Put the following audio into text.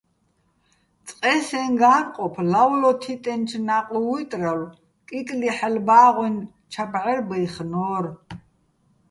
წყე სეჼ გა́ნყოფ ლავლო თიტენჩო̆ ნა́ყვ ვუჲტრალო̆, კიკლიჰ̦ალო̆ ბა́ღუჲნი̆ ჩა ბჵარბაჲხნო́რ.